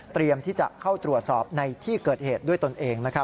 เตรียมที่จะเข้าตรวจสอบในที่เกิดเหตุด้วยตนเองนะครับ